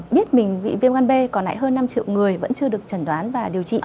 biết mình bị viêm gan b còn lại hơn năm triệu người vẫn chưa được trần đoán và điều trị